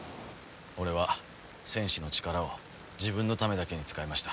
俺は戦士の力を自分のためだけに使いました。